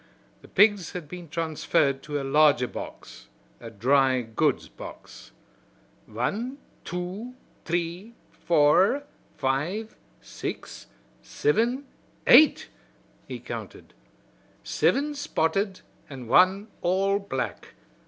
The pigs had been transferred to a larger box a dry goods box. "Wan, two, t'ree, four, five, six, sivin, eight!" he counted. "Sivin spotted an' wan all black.